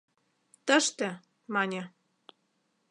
«Тыште», — мане.